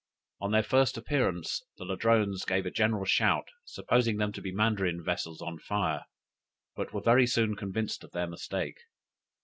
On their first appearance, the Ladrones gave a general shout, supposing them to be Mandarin vessels on fire, but were very soon convinced of their mistake.